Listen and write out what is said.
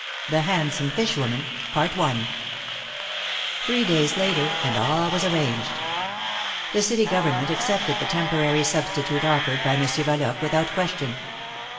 THE HANDSOME FISH WOMAN. T hree days later, and all was arranged. The city government accepted the temporary substitute offered by Monsieur Yaloque without question.